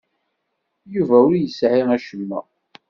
Yuba ur yesɛi acemma.